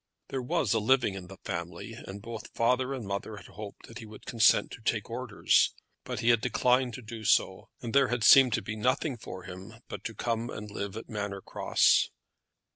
There was a living in the family, and both father and mother had hoped that he would consent to take orders; but he had declined to do so, and there had seemed to be nothing for him but to come and live at Manor Cross.